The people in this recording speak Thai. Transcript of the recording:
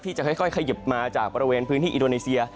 จะค่อยขยิบมาจากบริเวณพื้นที่อินโดนีเซีย